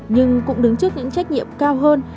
nhưng cũng đứng trước những trách nhiệm cao hơn